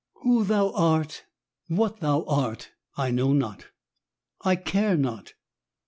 Who thou art, what thou art, I know not, I care not.